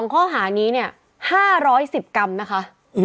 ข้อหานี้เนี่ย๕๑๐กรัมนะคะ